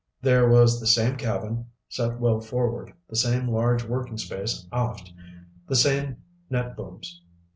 There was the same cabin, set well forward, the same large working space aft, the same net booms.